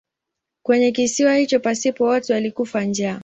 Kwenye kisiwa hicho pasipo watu alikufa njaa.